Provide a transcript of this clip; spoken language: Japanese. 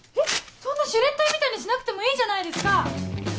そんなシュレッダーみたいにしなくてもいいじゃないですか！